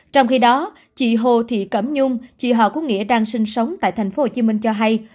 trong khi đó chị hồ thị cẩm nhung chị họ của nghĩa đang sinh sống tại thành phố hồ chí minh cho hay